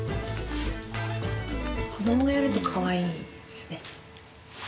子どもがやるとかわいいですね。